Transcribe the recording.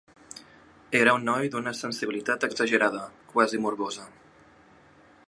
Era un noi d'una sensibilitat exagerada, quasi morbosa.